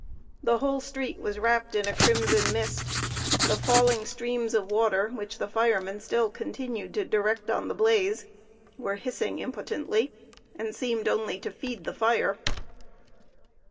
The whole street was wrapped in a crimson mist; the falling streams of water which the firemen still continued to direct on the blaze were hissing impotently, and seemed only to feed the fire.